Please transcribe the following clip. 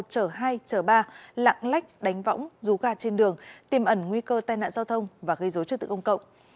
chở hai chở ba lạng lách đánh võng rú gạt trên đường tìm ẩn nguy cơ tai nạn giao thông và gây rối trước tự công cộng